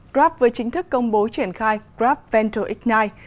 grab vừa chính thức công bố triển khai grab ventures ignite